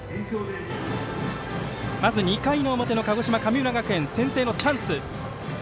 まず２回表、鹿児島、神村学園先制のチャンス。